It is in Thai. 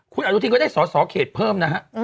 คุณอนุทินก็ได้สอสอเขตเพิ่มนะฮะ